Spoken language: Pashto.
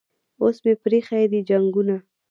اوس مې پریښي دي جنګونه